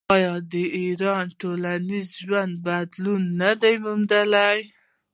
آیا د ایران ټولنیز ژوند بدلون نه دی موندلی؟